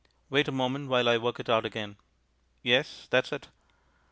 (Wait a moment while I work it out again.... Yes, that's it.)